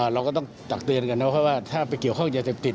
เราก็ต้องตักเตือนกันนะครับว่าถ้าไปเกี่ยวข้องยาเสพติด